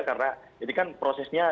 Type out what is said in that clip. karena ini kan prosesnya